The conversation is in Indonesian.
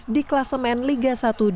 di kelasemen liga satu dua ribu sembilan belas